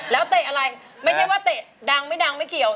แล้วเตะอะไรไม่ใช่ว่าเตะดังไม่ดังไม่เกี่ยว